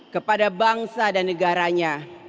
kepada bangsa dan negaranya